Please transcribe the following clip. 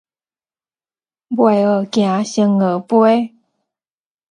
未學走，先學飛